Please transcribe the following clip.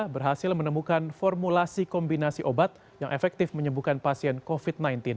berhasil menemukan formulasi kombinasi obat yang efektif menyebuhkan pasien covid sembilan belas